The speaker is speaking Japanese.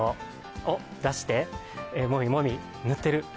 おっ、出して、もみもみ、塗ってる。